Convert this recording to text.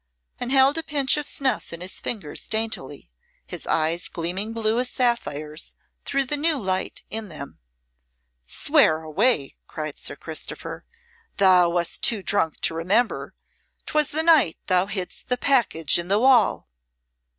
and held a pinch of snuff in his fingers daintily, his eyes gleaming blue as sapphires through the new light in them. "Swear away!" cried Sir Christopher; "thou wast too drunk to remember. 'Twas the night thou hidst the package in the wall."